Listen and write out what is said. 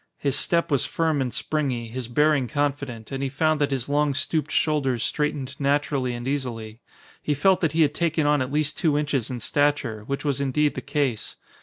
His step was firm and springy, his bearing confident, and he found that his long stooped shoulders straightened naturally and easily. He felt that he had taken on at least two inches in stature, which was indeed the case.